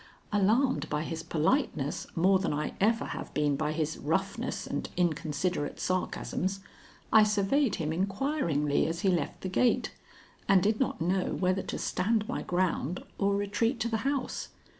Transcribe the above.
Alarmed by his politeness more than I ever have been by his roughness and inconsiderate sarcasms, I surveyed him inquiringly as he left the gate, and did not know whether to stand my ground or retreat to the house.